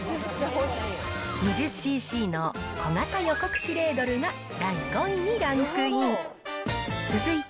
２０ｃｃの小型横口レードルが第５位にランクイン。